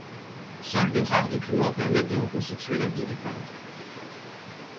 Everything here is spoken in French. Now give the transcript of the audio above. Seuls de rares documents permettent de reconstituer la vie du peintre.